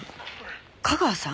架川さん？